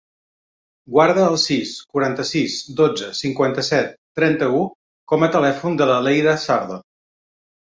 Guarda el sis, quaranta-sis, dotze, cinquanta-set, trenta-u com a telèfon de la Leila Sardon.